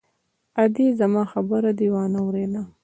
_ادې! زما خبره دې وانه ورېده!